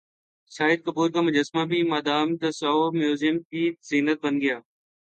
شاہد کپور کا مجسمہ بھی مادام تساو میوزم کی زینت بن گیا